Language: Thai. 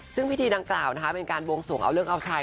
ซึ่งพิธีดังกล่าวนะคะเป็นการบวงสวงเอาเลิกเอาชัย